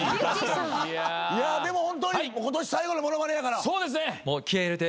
いやでもホントに今年最後の『ものまね』やから。